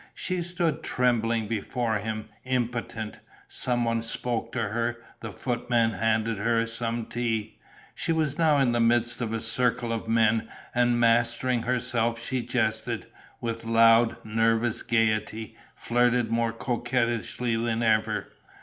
She stood trembling before him, impotent. Some one spoke to her; the footman handed her some tea. She was now in the midst of a circle of men; and, mastering herself, she jested, with loud, nervous gaiety, flirted more coquettishly than ever.